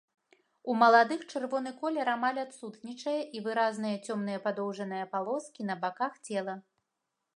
У маладых чырвоны колер амаль адсутнічае і выразныя цёмныя падоўжныя палоскі на баках цела.